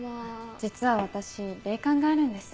実は私霊感があるんです。